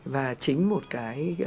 và chính một cái